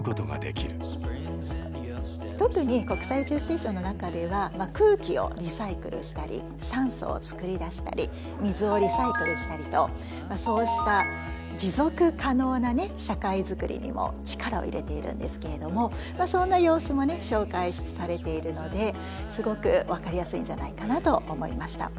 特に国際宇宙ステーションの中では空気をリサイクルしたり酸素を作り出したり水をリサイクルしたりとそうしたそんな様子もね紹介されているのですごく分かりやすいんじゃないかなと思いました。